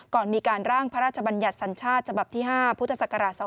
ก่อนมีการร่างพระราชบัญญัติศัลชาติฉ๕พศ๒๕๕๕